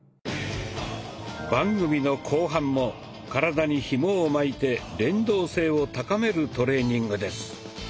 番組の後半も体にひもを巻いて連動性を高めるトレーニングです。